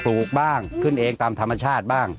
ลูกบ้างขึ้นเองตามธรรมชาติบ้าง